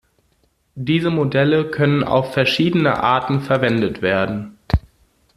Diese Modelle können auf verschiedene Arten verwendet werden.